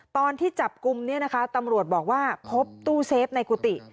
ตอนที่จับกลุ่มเนี่ยนะคะตำรวจบอกว่าพบตู้เซฟในกุฏิ